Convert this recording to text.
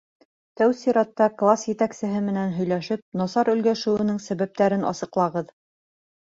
Тәү сиратта класс етәксеһе менән һөйләшеп, насар өлгәшеүенең сәбәптәрен асыҡлағыҙ.